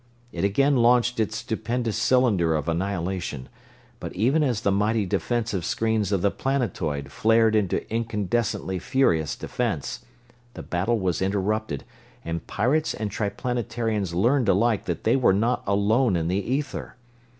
It again launched its stupendous cylinder of annihilation, but even as the mighty defensive screens of the planetoid flared into incandescently furious defense, the battle was interrupted and pirates and Triplanetarians learned alike that they were not alone in the ether.